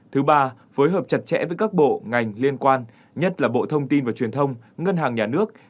thứ ba phối hợp chặt chẽ với các bộ ngành liên quan nhất là bộ thông tin và truyền thông ngân hàng nhà nước